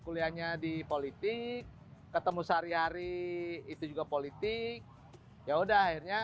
kuliahnya di politik ketemu sehari hari itu juga politik yaudah akhirnya